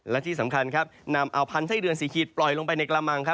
และที่สำคัญนำเอาพันไส้เดือนสีขีดปล่อยลงไปในกระมัง